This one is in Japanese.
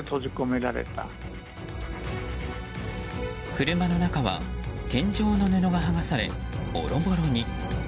車の中は天井の布が剥がされボロボロに。